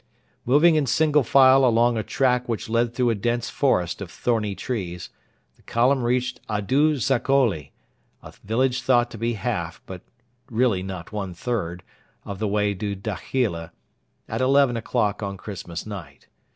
Moving in single file along a track which led through a dense forest of thorny trees, the column reached Adu Zogholi, a village thought to be half, but really not one third, of the way to Dakhila, at eleven o'clock on Christmas night.